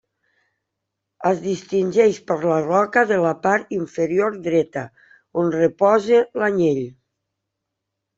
Es distingeix per la roca de la part inferior dreta, on reposa l'anyell.